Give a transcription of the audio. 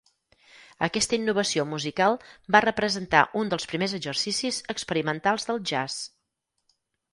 Aquesta innovació musical va representar un dels primers exercicis experimentals del jazz.